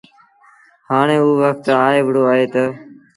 هآڻي اوٚ وکت آئي وهُڙو اهي تا